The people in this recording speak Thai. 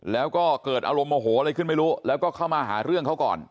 แล้วก็เกิดอารมณ์โมโหอะไรขึ้นไม่รู้แล้วก็เข้ามาหาเรื่องเขาก่อน